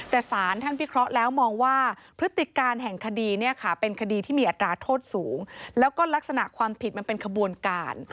แต่สารท่านพิเคราะห์แล้วมองว่าพฤติการแห่งคดีเนี่ยค่ะเป็นคดีที่มีอัตราโทษสูงแล้วก็ลักษณะความผิดมันเป็นขบวนการ